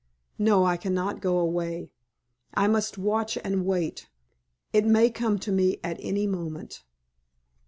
No, I cannot go away. I must watch and wait. It may come to me at any moment."